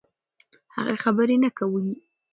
هغه خبرې نه کوي.